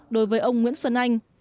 đối với ông nguyễn xuân anh